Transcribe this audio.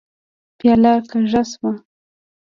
پياله کږه شوه.